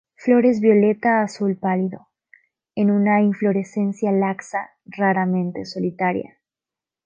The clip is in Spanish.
Flores violeta a azul pálido, en una inflorescencia laxa, raramente solitaria.